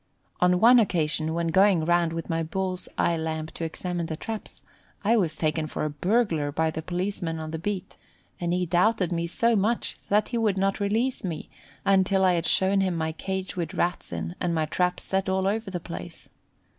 On one occasion, when going round with my bull's eye lamp to examine the traps, I was taken for a burglar by the policeman on the beat, and he doubted me so much that he would not release me until I had shown him my cage with Rats in and my traps set all over the place.